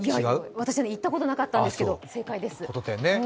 私は言ったことなかったんすけど、正解です。